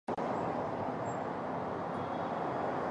大阪府忠岡町